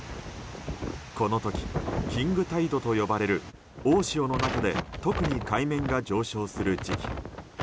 この時、キングタイドと呼ばれる大潮の中で特に海面が上昇する時期。